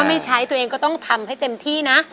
ถ้าไม่ใช้ตัวเองก็ต้องทำให้เต็มที่นะ